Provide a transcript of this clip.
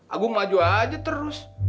agung maju aja terus